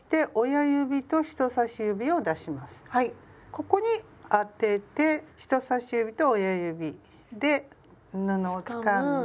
ここに当てて人さし指と親指で布をつかんで。